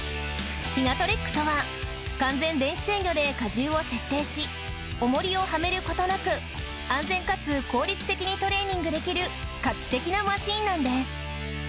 ヒガトレックとは完全電子制御で荷重を設定し重りをはめることなく安全かつ効率的にトレーニングできる画期的なマシンなんです